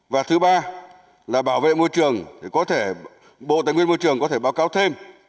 và thứ ba là bảo vệ môi trường thì có thể bộ tài nguyên môi trường có thể báo cáo thêm